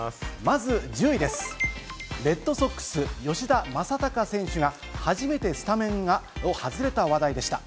まず１０位です、レッドソックス・吉田正尚選手が初めてスタメンを外れた話題でした。